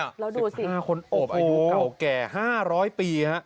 เราดูสิโอ้โฮ๑๕คนโอบอายุเก่าแก่๕๐๐ปีครับ